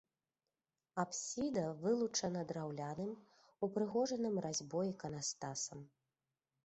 Апсіда вылучана драўляным, упрыгожаным разьбой іканастасам.